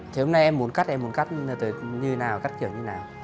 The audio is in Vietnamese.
thế hôm nay em muốn cắt em muốn cắt như thế nào cắt kiểu như thế nào